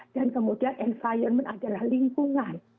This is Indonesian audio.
dan kemudian environment adalah lingkungan